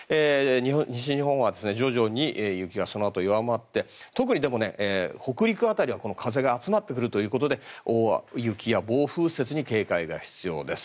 西日本は徐々に雪がそのあと弱まって特に北陸辺りは風が集まってくるということで雪や暴風雪に警戒が必要です。